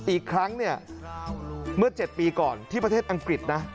อีกครั้งเนี่ยเมื่อ๗ปีก่อนที่ประเทศอังกฤษนะ